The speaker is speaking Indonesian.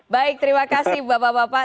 baik terima kasih bapak bapak